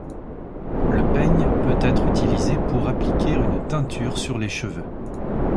Le peigne peut être utilisé pour appliquer une teinture sur les cheveux.